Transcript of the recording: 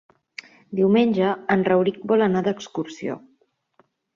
Diumenge en Rauric vol anar d'excursió.